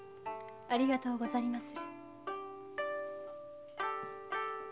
ありがとうございます。